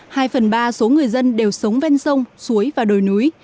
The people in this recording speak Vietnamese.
hai phần ba số người dân đều sống ven sông suối và đồi núi